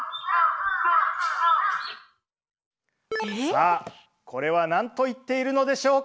さあこれは何と言っているのでしょうか？